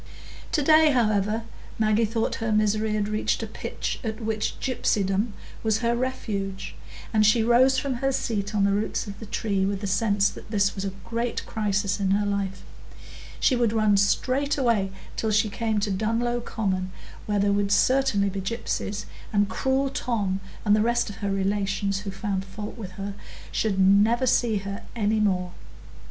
To day however, Maggie thought her misery had reached a pitch at which gypsydom was her refuge, and she rose from her seat on the roots of the tree with the sense that this was a great crisis in her life; she would run straight away till she came to Dunlow Common, where there would certainly be gypsies; and cruel Tom, and the rest of her relations who found fault with her, should never see her any more.